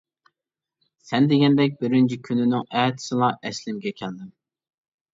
سەن دېگەندەك بىرىنچى كۈننىڭ ئەتىسىلا ئەسلىمگە كەلدىم.